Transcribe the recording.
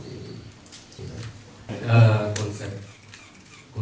mereka non adaik bukan wreck of hardthrow